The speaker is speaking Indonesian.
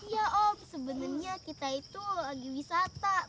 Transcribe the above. ya op sebenarnya kita itu lagi wisata